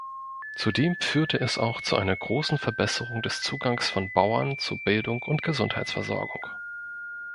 Zudem führte es auch zu einer großen Verbesserung des Zugangs von Bauern zu Bildung und Gesundheitsversorgung.